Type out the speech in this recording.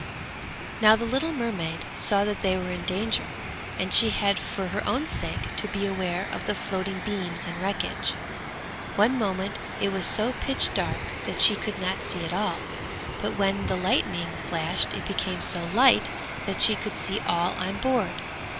Now the little mermaid saw that they were in danger, and she had for her own sake to beware of the floating beams and wreckage. One moment it was so pitch dark that she could not see at all, but when the lightning flashed it became so light that she could see all on board.